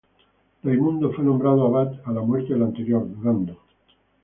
Raimundo fue nombrado abad a la muerte del anterior, Durando.